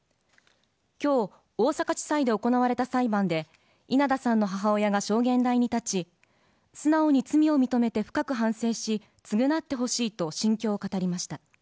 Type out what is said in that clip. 今日、大阪地裁で行われた裁判で稲田さんの母親が証言台に立ち素直に罪を認めて深く反省し償ってほしいと心境を語りました。